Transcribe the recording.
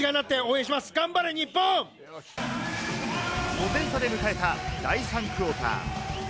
５点差で迎えた第３クオーター。